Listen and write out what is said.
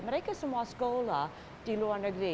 mereka semua sekolah di luar negeri